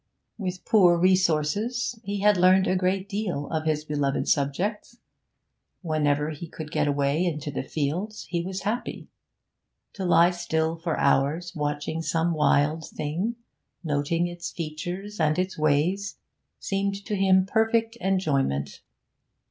With poor resources he had learned a great deal of his beloved subjects. Whenever he could get away into the fields he was happy; to lie still for hours watching some wild thing, noting its features and its ways, seemed to him perfect enjoyment.